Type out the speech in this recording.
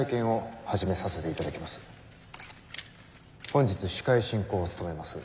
本日司会進行を務めます